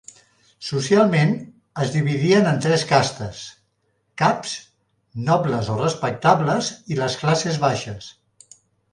Socialment, es dividien en tres castes: caps, nobles o respectables, i les classes baixes.